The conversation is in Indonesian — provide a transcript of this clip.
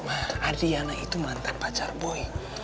ma adriana itu mantan pacar boy